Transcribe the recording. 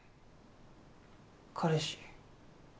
彼氏？